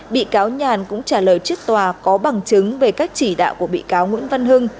bị cáo nhàn cũng trả lời trước tòa có bằng chứng về các chỉ đạo của bị cáo nguyễn văn hưng